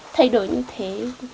thay đổi như thế